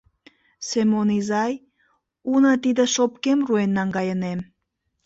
— Семон изай, уна тиде шопкем руэн наҥгайынем.